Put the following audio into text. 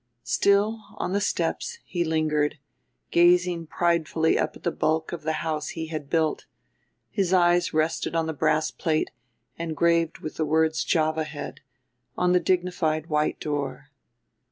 Still, on the steps, he lingered, gazing pridefully up at the bulk of the house he had built; his eyes rested on the brass plate, engraved with the words Java Head, on the dignified white door.